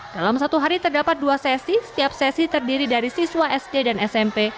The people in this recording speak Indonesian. dalam satu hari terdapat dua sesi setiap sesi terdiri dari siswa sd dan smp